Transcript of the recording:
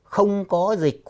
không có dịch